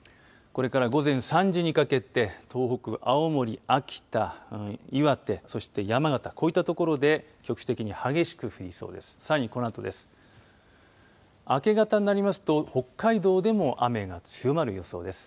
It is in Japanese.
これから午前３時にかけて東北、青森、秋田、岩手そして山形、こういった所で局地的に激しく降りそうです。